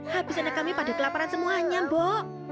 habis anak kami pada kelaparan semuanya mbok